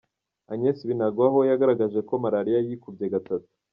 Agnes Binagwaho, yagaragaje ko Malaria yikubye gatatu.